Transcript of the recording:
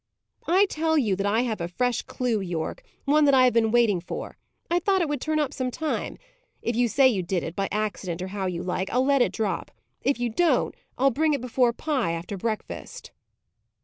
"I tell you that I have a fresh clue, Yorke; one I have been waiting for. I thought it would turn up some time. If you say you did it, by accident or how you like, I'll let it drop. If you don't, I'll bring it before Pye after breakfast."